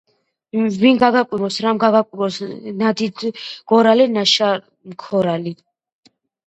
ვინ გაგაკვირვოს, რამ გაგაკვირვოს, ნადიდგორალი, ნაშამქორალი